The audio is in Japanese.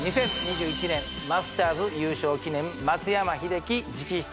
２０２１年マスターズ優勝記念松山英樹直筆